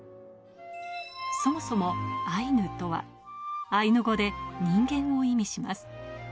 そもそもアイヌとはアイヌ語で人間を意味します。